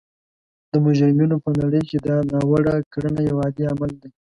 د مجرمینو په نړۍ کې دا ناوړه کړنه یو عادي عمل دی